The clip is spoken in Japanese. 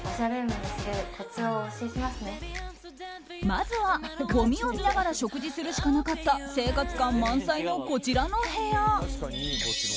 まずは、ごみを見ながら食事するしかなかった生活感満載の、こちらの部屋。